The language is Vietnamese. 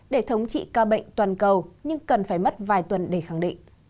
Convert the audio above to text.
để thống trị ca bệnh toàn cầu nhưng cần phải mất vài tuần để khẳng định